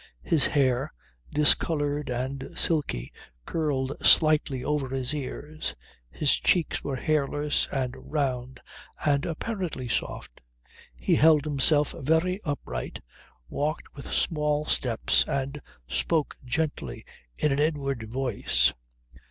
His hair, discoloured and silky, curled slightly over his ears. His cheeks were hairless and round, and apparently soft. He held himself very upright, walked with small steps and spoke gently in an inward voice.